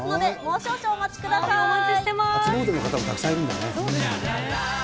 初詣の方もたくさんいるんだね。